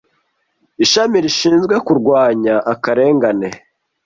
Ishami rishinzwe Kurwanya Akarengane